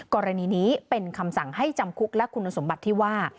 กรณีนี้เป็นคำสั่งให้จำคุกและคุณสมบัติที่ว่า